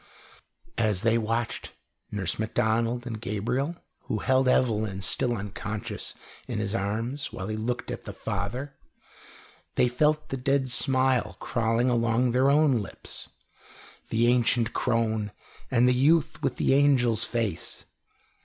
As they watched Nurse Macdonald and Gabriel, who held Evelyn still unconscious in his arms while he looked at the father they felt the dead smile crawling along their own lips the ancient crone and the youth with the angel's face.